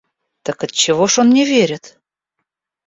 Так отчего ж он не верит?